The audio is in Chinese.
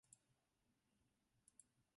弗洛拉克三河。